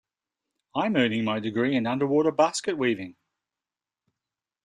I'm earning my degree in underwater basket weaving.